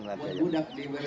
buat budak diberi